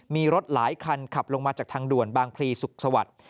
มีรถหลายคันขับลงมาจากทางด่วนบางพลีสุขสวัสดิ์